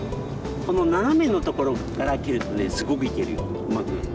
このななめのところから蹴るとねすごくいけるようまく。